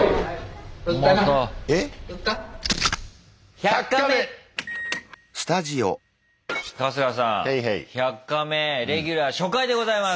「１００カメ」レギュラー初回でございます！